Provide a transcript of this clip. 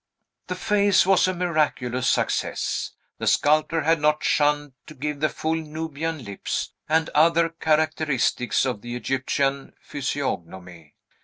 The face was a miraculous success. The sculptor had not shunned to give the full Nubian lips, and other characteristics of the Egyptian physiognomy.